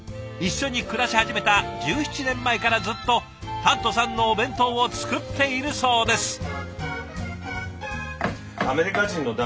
一緒に暮らし始めた１７年前からずっとタッドさんのお弁当を作っているそうです。